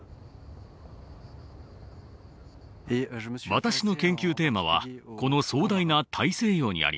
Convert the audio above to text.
私の研究テーマはこの壮大な大西洋にあります。